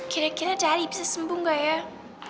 kira kira cari bisa sembuh gak ya